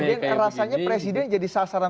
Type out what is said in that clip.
kemudian rasanya presiden jadi sasaran